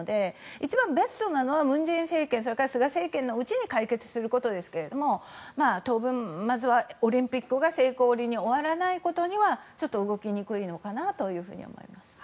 一番ベストなのは文政権、それから菅政権のうちに解決することですが当分、まずはオリンピックが成功で終わらないと動きにくいのかなと思います。